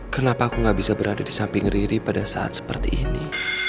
kenapa aku gak bisa berada di samping riri pada saat seperti ini